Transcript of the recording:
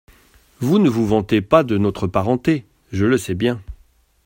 Vous ne vous vantez pas de notre parenté, je le sais bien…